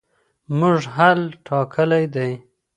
موږ حل ټاکلی دی.